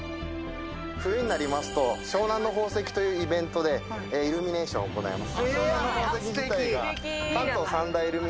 冬になると「湘南の宝石」というイベントでイルミネーションを行います。